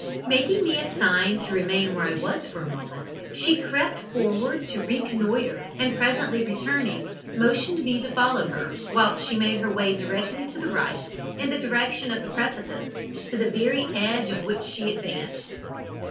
Making me a sign to remain where I was for a moment, she crept forward to reconnoitre, and presently returning, motioned me to follow her, whilst she made her way directly to the right, in the direction of the precipice, to the very edge of which she advanced.